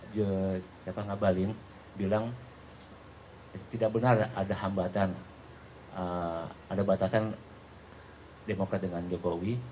jeffan ngabalin bilang tidak benar ada hambatan ada batasan demokrat dengan jokowi